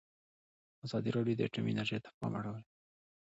ازادي راډیو د اټومي انرژي ته پام اړولی.